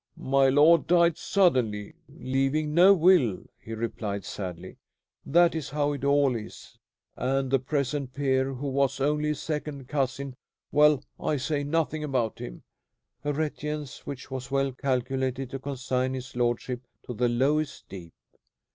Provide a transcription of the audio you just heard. "My lord died suddenly, leaving no will," he replied sadly. "That is how it all is. And the present peer, who was only a second cousin well, I say nothing about him." A reticence which was well calculated to consign his lordship to the lowest deep.